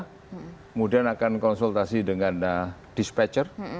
kemudian akan konsultasi dengan dispatcher